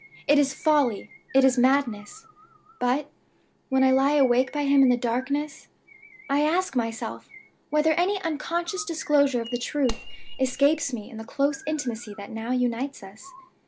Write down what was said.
It is folly, it is madness; but, when I lie awake by him in the darkness, I ask myself whether any unconscious disclosure of the truth escapes me in the close intimacy that now unites us?